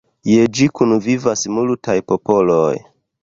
Je ĝi kunvivas multaj popoloj.